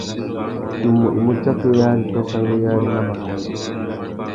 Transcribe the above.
Tumu i mú tsakéyari tô tanguéyari nà makôndõ.